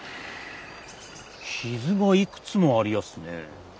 傷がいくつもありやすね。